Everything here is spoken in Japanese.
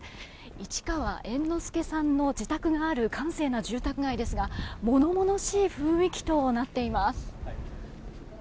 市川猿之助さんの自宅がある閑静な住宅街ですが物々しい雰囲気となっています。